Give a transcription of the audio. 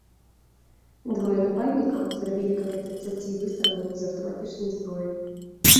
Двое нападнікаў зрабілі каля трыццаці выстралаў з аўтаматычнай зброі.